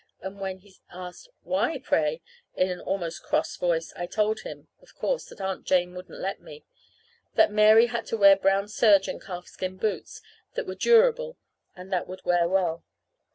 And when he asked, "Why, pray?" in a voice almost cross, I told him, of course, that Aunt Jane wouldn't let me; that Mary had to wear brown serge and calfskin boots that were durable, and that would wear well.